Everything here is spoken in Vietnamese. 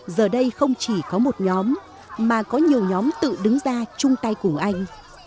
giờ đây không chỉ có một nhóm mà có nhiều nhóm tự đứng ra chung tay cùng anh